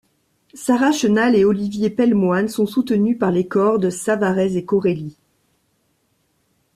Sara Chenal et Olivier Pelmoine sont soutenus par les cordes Savarez et Corelli.